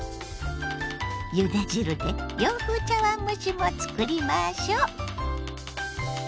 ゆで汁で洋風茶碗蒸しもつくりましょ。